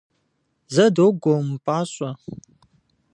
Зэ, догуэ, умыпӏащӏэ!